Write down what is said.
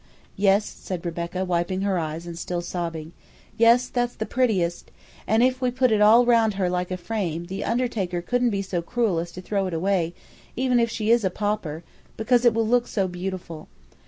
"Yes," said Rebecca, wiping her eyes and still sobbing. "Yes, that's the prettiest, and if we put it all round her like a frame, the undertaker couldn't be so cruel as to throw it away, even if she is a pauper, because it will look so beautiful.